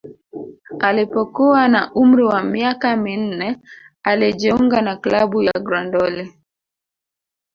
Alipokuwa na umri wa miaka minne alijiunga na klabu ya Grandoli